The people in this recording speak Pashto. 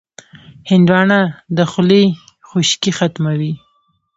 هندوانه د خولې خشکي ختموي.